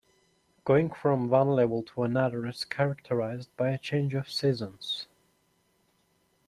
Going from one level to another is characterized by a change of seasons.